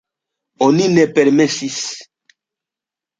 Oni ne permesis.